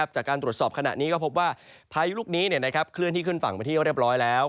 จากการตรวจสอบขณะนี้ก็พบว่าพายุลูกนี้เคลื่อนที่ขึ้นฝั่งไปที่เรียบร้อยแล้ว